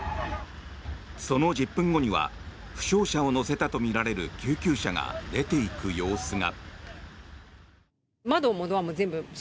その１０分後には負傷者を乗せたとみられる救急車が出ていく様子が。